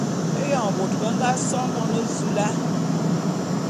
Éyoň bôt be nga so Monezula.